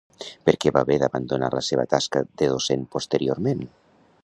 Per què va haver d'abandonar la seva tasca de docent posteriorment?